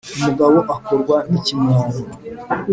umugabo akorwa n'ikimwaro